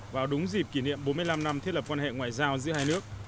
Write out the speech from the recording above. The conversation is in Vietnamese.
vào đúng dịp kỷ niệm bốn mươi năm năm thiết lập quan hệ ngoại giao giữa hai nước